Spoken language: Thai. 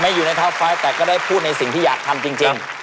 อยู่ในท็อปไฟต์แต่ก็ได้พูดในสิ่งที่อยากทำจริง